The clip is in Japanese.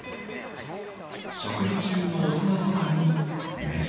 食事中のオスのそばにメス。